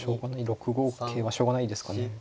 ６五桂はしょうがないですかね。